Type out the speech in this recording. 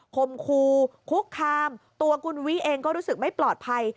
คมคูคุกคามตัวคุณวิเองก็รู้สึกไม่ปลอดภัย